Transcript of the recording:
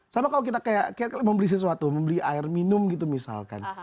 sama kalau kita kayak membeli sesuatu membeli air minum gitu misalkan